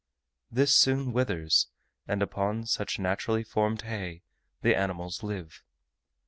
This soon withers; and upon such naturally formed hay the animals live.